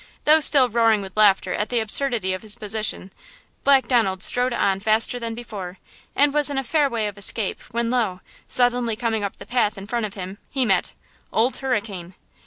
Though still roaring with laughter at the absurdity of his position, Black Donald strode on faster than before, and was in a fair way of escape, when lo! suddenly coming up the path in front of him, he met– Old Hurricane!!!